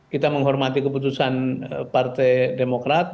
kita menghormati keputusan partai demokrat